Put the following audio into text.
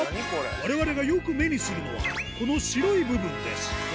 われわれがよく目にするのは、この白い部分です。